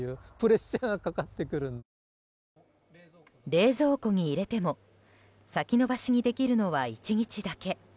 冷蔵庫に入れても先延ばしにできるのは１日だけ。